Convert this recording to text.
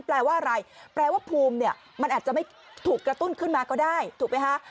แปลว่าอะไรแปลว่าภูมิเนี่ยมันอาจจะไม่ถูกกระตุ้นขึ้นมาก็ได้ถูกไหมคะ